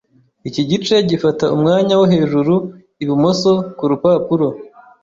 Iki gice gifata umwanya wo hejuru ibumoso ku rupapuro.